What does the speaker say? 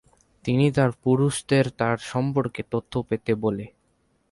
তিনি তার পুরুষদের তার সম্পর্কে তথ্য পেতে বলে।